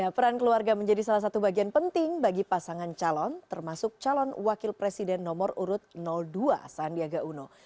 peran keluarga menjadi salah satu bagian penting bagi pasangan calon termasuk calon wakil presiden nomor urut dua sandiaga uno